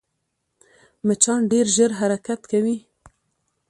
مچان ډېر ژر حرکت کوي